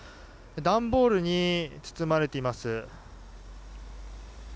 段ボールに包まれています。